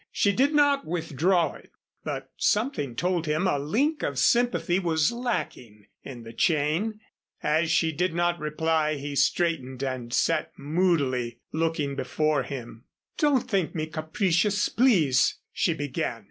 She did not withdraw it, but something told him a link of sympathy was lacking in the chain. As she did not reply he straightened and sat moodily looking before him. "Don't think me capricious, please," she began.